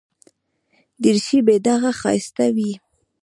دریشي بې داغه ښایسته وي.